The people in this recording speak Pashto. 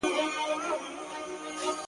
• کنعان خوږ دی قاسم یاره د یوسف له شرافته..